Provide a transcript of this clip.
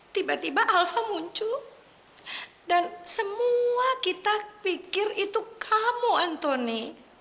tiba tiba alpha muncul dan semua kita pikir itu kamu antoni